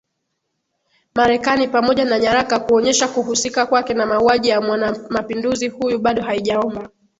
Marekani pamoja na nyaraka kuonyesha kuhusika kwake na mauaji ya mwanamapinduzi huyu bado haijaomba